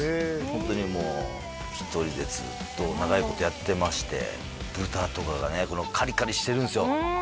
ホントにもう１人でずっと長いことやってまして豚とかがねカリカリしてるんですよ